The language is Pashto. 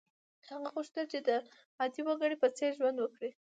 هغه غوښتل چې د عادي وګړي په څېر ژوند وکړي.